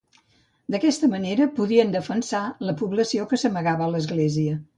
D'aquesta manera podien defensar a la població que s'amagava a l'església.